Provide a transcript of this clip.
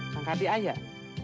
kang kardi ayah